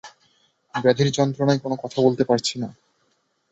ব্যাধির যন্ত্রণায় কোন কথা বলছেন না।